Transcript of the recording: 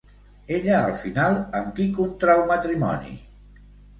Ella al final amb qui contrau matrimoni?